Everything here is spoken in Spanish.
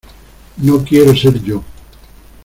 no quiero ser yo.